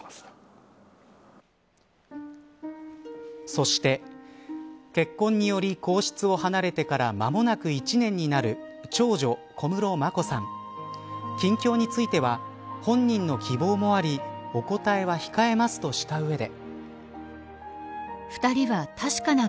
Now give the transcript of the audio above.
そして結婚により皇室を離れてから間もなく１年になる長女、小室眞子さんの近況については本人の希望もありお答えは控えますとした上で。